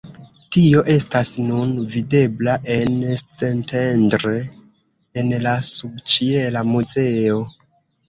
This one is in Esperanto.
Tio estas nun videbla en Szentendre en la subĉiela muzeo.